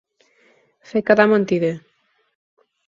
Fer quedar mentider.